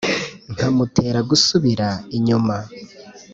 Nkamutera gusubira inyuma